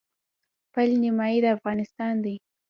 پل نیمايي د افغانستان دی.